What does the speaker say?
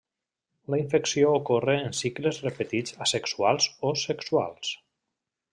La infecció ocorre en cicles repetits asexuals o sexuals.